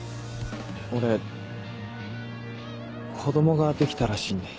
俺子供ができたらしいんで。